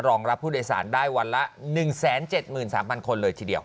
รองรับผู้โดยสารได้วันละ๑๗๓๐๐คนเลยทีเดียว